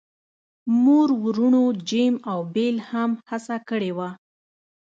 مور وروڼو جیم او بیل هم هڅه کړې وه